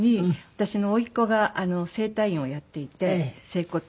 私の甥っ子が整体院をやっていて整骨院ですか？